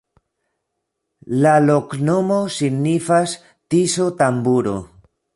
La loknomo signifas: Tiso-tamburo.